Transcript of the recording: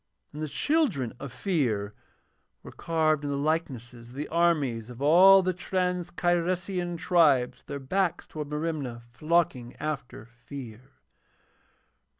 And the children of Fear were carved in the likeness of the armies of all the trans Cyresian tribes with their backs towards Merimna, flocking after Fear.